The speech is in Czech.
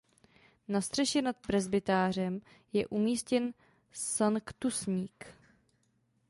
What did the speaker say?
Na střeše nad presbytářem je umístěn sanktusník.